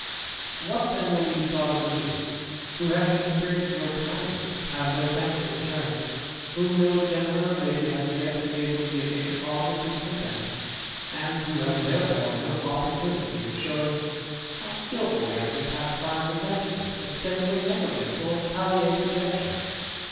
f : tj What then will be thought of me, who, having experi l^jc enced no kindness, have no thanks to return \ whom no l^ea gentleman or lady has yet enabled to give any cause o^ lis discontent, and who have therefore no opportunity d |;^ showing how skilfully I can pacify resentment, extenuate negligence, or palliate rejection